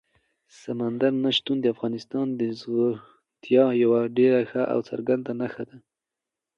سمندر نه شتون د افغانستان د زرغونتیا یوه ډېره ښه او څرګنده نښه ده.